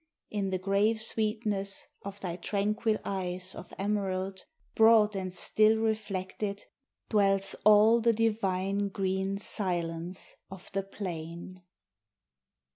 In the grave sweetness of thy tranquil eyes Of emerald, broad and still reflected dwells All the divine green silence of the plain.